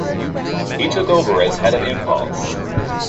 He took over as head of Impulse!